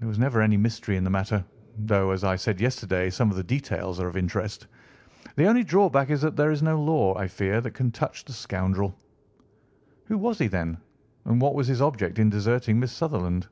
There was never any mystery in the matter, though, as I said yesterday, some of the details are of interest. The only drawback is that there is no law, I fear, that can touch the scoundrel." "Who was he, then, and what was his object in deserting Miss Sutherland?"